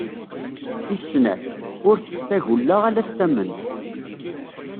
Tis snat: ur tett tagella ala s tamment.